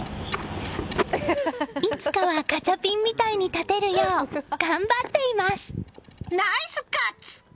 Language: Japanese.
いつかはガチャピンみたいに立てるようナイスガッツ！